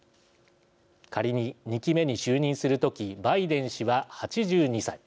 仮に２期目に就任する時バイデン氏は８２歳。